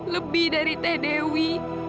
lebih dari teh dewi